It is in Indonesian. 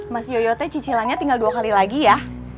mas yoyote cicilannya tinggal dua kali lagi ya